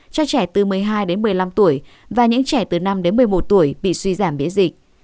cho trẻ từ một mươi hai đến một mươi năm tuổi và những trẻ từ năm đến một mươi một tuổi bị suy giảm biế dịch